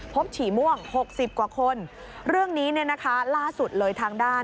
ฉี่ม่วง๖๐กว่าคนเรื่องนี้เนี่ยนะคะล่าสุดเลยทางด้าน